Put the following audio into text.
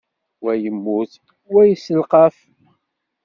Wa yemmut, wa yesselqaf.